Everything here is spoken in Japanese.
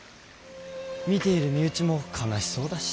見ている身内も悲しそうだし。